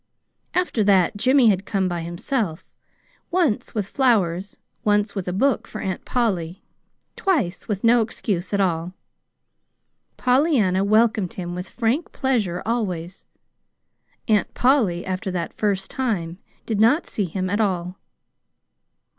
After that Jimmy had come by himself, once with flowers, once with a book for Aunt Polly, twice with no excuse at all. Pollyanna welcomed him with frank pleasure always. Aunt Polly, after that first time, did not see him at all.